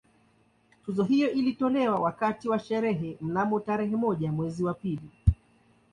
Tuzo hiyo ilitolewa wakati wa sherehe mnamo tarehe moja mwezi wa pili